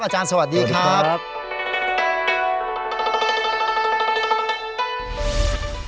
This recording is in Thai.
อาจารย์สวัสดีครับสวัสดีครับสวัสดีครับ